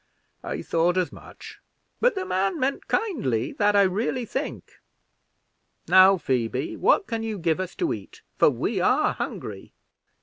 "I thought as much, but the man meant kindly, that I really think. Now, Phoebe, what can you give us to eat, for we are hungry?"